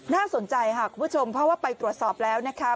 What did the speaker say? น่าสนใจค่ะคุณผู้ชมเพราะว่าไปตรวจสอบแล้วนะคะ